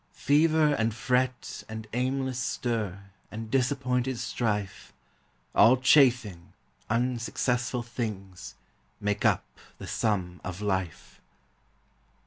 Fever and fret and aimless stir And disappointed strife, All chafing, unsuccessful things, Make up the sum of life.